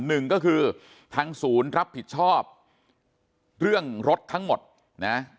หนึ่งก็คือทางศูนย์รับผิดชอบเรื่องรถทั้งหมดนะ